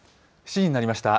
７時になりました。